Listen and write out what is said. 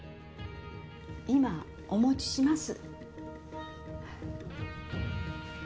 今お持ちします。